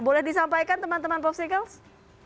boleh disampaikan teman teman popsicles